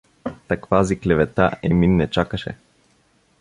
Таквази клевета Емин не чакаше.